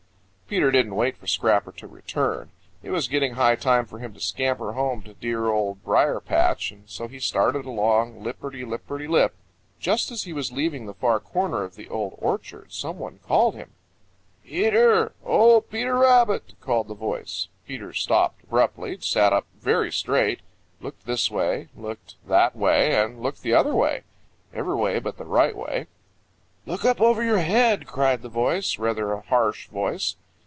Peter didn't wait for Scrapper to return. It was getting high time for him to scamper home to the dear Old Briar patch and so he started along, lipperty lipperty lip. Just as he was leaving the far corner of the Old Orchard some one called him. "Peter! Oh, Peter Rabbit!" called the voice. Peter stopped abruptly, sat up very straight, looked this way, looked that way and looked the other way, every way but the right way. "Look up over your head," cried the voice, rather a harsh voice.